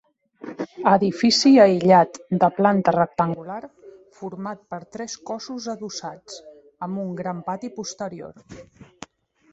Edifici aïllat de planta rectangular, format per tres cossos adossats, amb un gran pati posterior.